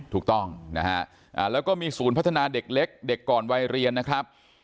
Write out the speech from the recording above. ถูกต้องนะฮะแล้วก็มีศูนย์พัฒนาเด็กเล็กเด็กก่อนวัยเรียนนะครับ